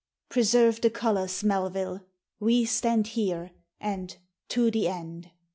"Preserve the colours, MELVILLE! We stand here; And to the end."